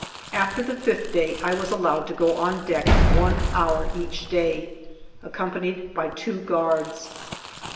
After the fifth day I was allowed to go on deck one hour each day, accompanied by two guards.